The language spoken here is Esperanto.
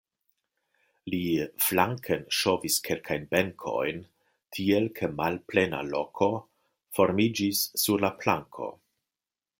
Li flanken ŝovis kelkajn benkojn, tiel ke malplena loko formiĝis sur la planko.